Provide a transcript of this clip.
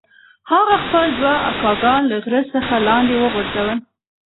هغه خپل دوه اکاګان له غره څخه لاندې وغورځول.